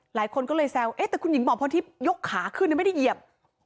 หลายคนก็เลยแซวแต่คุณหญิงหมอพรทิพย์ยกขาขึ้นไม่ได้เหยียบ